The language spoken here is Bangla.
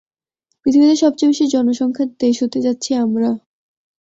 পৃথিবীর সবচেয়ে বেশি জনসংখ্যার দেশ হতে যাচ্ছি আমরা।